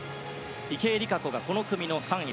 池江璃花子が、この組の３位。